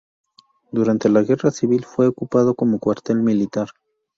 Durante la guerra civil, fue ocupado como Cuartel militar.